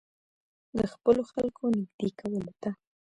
د خپلو خلکو نېږدې کولو ته.